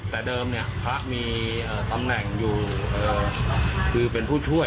แต่เดิมเนี่ยพระมีตำแหน่งอยู่คือเป็นผู้ช่วย